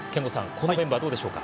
このメンバーどうでしょうか。